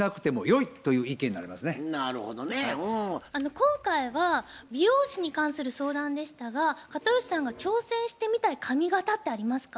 今回は美容師に関する相談でしたが片寄さんが挑戦してみたい髪形ってありますか？